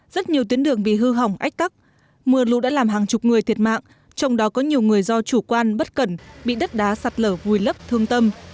rất nhiều tuyến đường bị hư hỏng ách tắc mưa lũ đã làm hàng chục người thiệt mạng trong đó có nhiều người do chủ quan bất cẩn bị đất đá sạt lở vùi lấp thương tâm